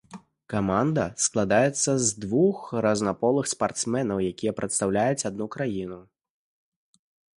Каманда складаецца з двух разнаполых спартсменаў, якія прадстаўляюць адну краіну.